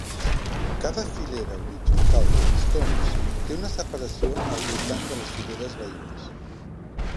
Cada filera horitzontal de llistons té una separació al voltant de les fileres veïnes.